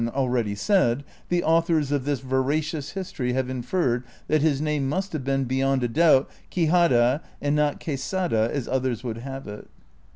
already said, the authors of this veracious liistorv have in ferred tliat his name must have been beyond a doubt Quixada, and not Quesada as others wouhl have it.